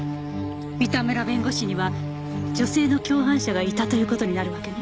三田村弁護士には女性の共犯者がいたという事になるわけね。